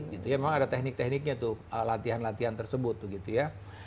gitu ya memang ada teknik tekniknya tuh latihan latihan tersebut gitu ya